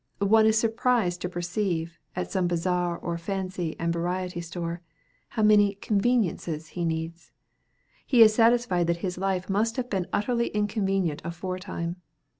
One is surprised to perceive, at some bazaar or fancy and variety store, how many conveniences he needs. He is satisfied that his life must have been utterly inconvenient aforetime.